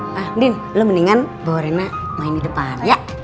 nah lo mendingan bawa rena main di depan